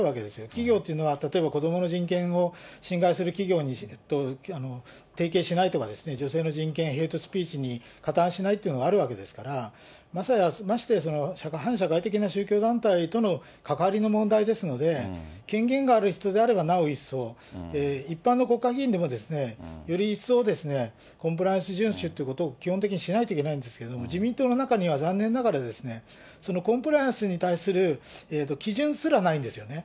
企業というのは、例えば子どもの人権を侵害する企業と提携しないとか、女性の人権、ヘイトスピーチに加担しないというのがあるわけですから、まして反社会的な宗教団体との関わりの問題ですので、権限がある人であれば、なお一層、一般の国会議員でも、より一層コンプライアンス順守ということを基本的にしないといけないんですけれども、自民党の中には残念ながら、そのコンプライアンスに対する基準すらないんですよね。